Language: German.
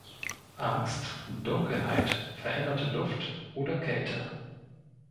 Angst, Dunkelheit, veränderte Luft oder Kälte.